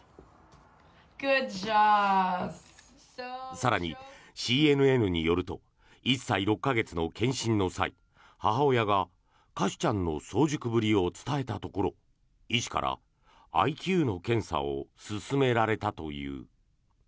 更に、ＣＮＮによると１歳６か月の健診の際母親がカシュちゃんの早熟ぶりを伝えたところ医師からＩＱの検査を勧められたという。